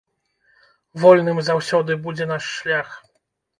Вольным заўсёды будзе наш шлях!